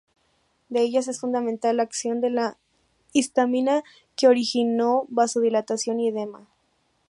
De ellas, es fundamental la acción de la histamina, que origina vasodilatación y edema.